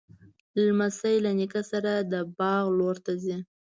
لمسی له نیکه سره د باغ لور ته ځي.